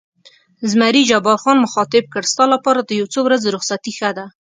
زمري جبار خان مخاطب کړ: ستا لپاره د یو څو ورځو رخصتي ښه ده.